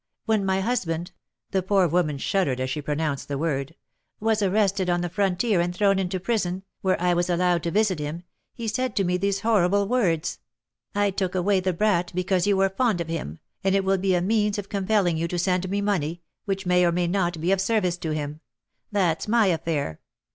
when my husband" (the poor woman shuddered as she pronounced the word) "was arrested on the frontier and thrown into prison, where I was allowed to visit him, he said to me these horrible words: 'I took away the brat because you were fond of him, and it will be a means of compelling you to send me money, which may or may not be of service to him, that's my affair.